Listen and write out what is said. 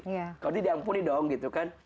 kalau diampuni dong gitu kan